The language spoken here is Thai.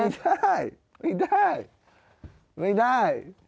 ไม่ได้ไม่ได้ไม่ได้